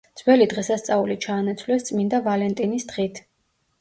ძველი დღესასწაული ჩაანაცვლეს წმინდა ვალენტინის დღით.